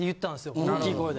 大きい声で。